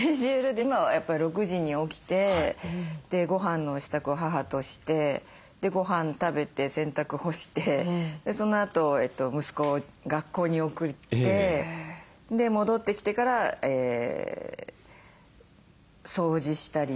今はやっぱり６時に起きてでごはんの支度を母として。でごはん食べて洗濯干してそのあと息子を学校に送ってで戻ってきてから掃除したり。